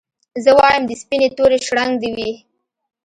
زه وايم د سپيني توري شړنګ دي وي